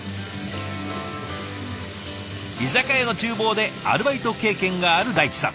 居酒屋の厨房でアルバイト経験がある大地さん。